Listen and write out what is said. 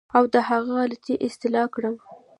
او د هغه غلطۍ اصلاح کړم.